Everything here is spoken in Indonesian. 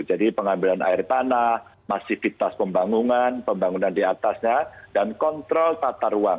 jadi pengambilan air tanah masifitas pembangunan pembangunan diatasnya dan kontrol tata ruang